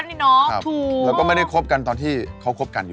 น้างไม่แคร์นะน้างไม่แคร์โอเค